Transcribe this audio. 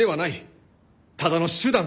ただの手段です。